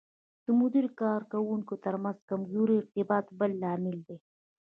د مدیر او کارکوونکو ترمنځ کمزوری ارتباط بل لامل دی.